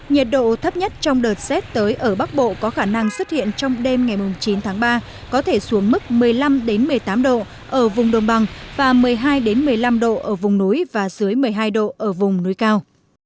nhiệt độ thấp nhất trong đợt rét tới ở bắc bộ có khả năng xuất hiện trong đêm ngày chín tháng ba có thể xuống mức một mươi năm một mươi tám độ ở vùng đồng bằng và một mươi hai một mươi năm độ ở vùng núi và dưới một mươi hai độ ở vùng núi cao